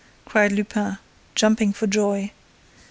cried Lupin, jumping for joy.